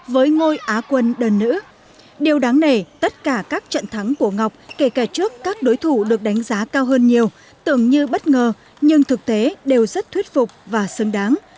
với ngôi á quân đơn nữ điều đáng nể tất cả các trận thắng của ngọc kể cả trước các đối thủ được đánh giá cao hơn nhiều tưởng như bất ngờ nhưng thực tế đều rất thuyết phục và xứng đáng